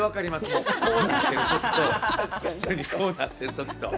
もう、こうなっている時と普通にこうなっている時と。